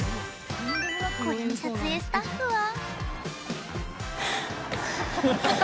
これに撮影スタッフは。